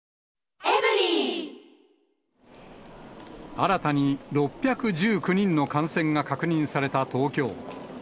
新たに６１９人の感染が確認された東京。